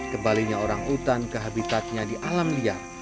kebaliknya orangutan ke habitatnya di alam liar